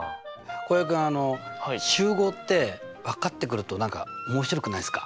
浩平君集合って分かってくると何か面白くないですか？